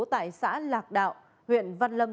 tại xã lạc đạo huyện văn lâm